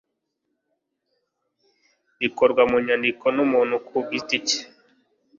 rikorwa mu nyandiko n umuntu ku giti cye